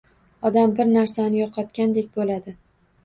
Odam bir narsasini yo‘qotgandek bo‘ladi